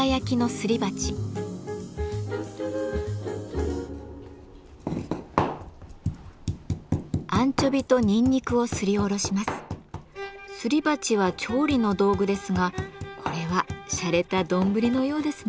すり鉢は調理の道具ですがこれはしゃれた丼のようですね。